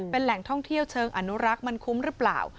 เป็นแหล่งท่องเที่ยวเชิงอนุรักษ์มันคุ้มหรือเปล่า